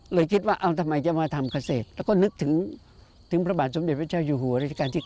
เลยคิดว่าเอาทำไมจะมาทำเกษตรแล้วก็นึกถึงพระบาทสมเด็จพระเจ้าอยู่หัวราชการที่๙